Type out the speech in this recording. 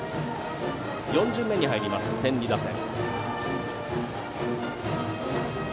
４巡目に入る天理打線。